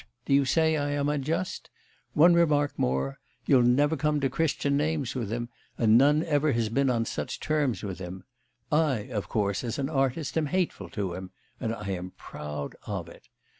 do you say I am unjust? One remark more: you'll never come to Christian names with him, and none ever has been on such terms with him. I, of course, as an artist, am hateful to him; and I am proud of it.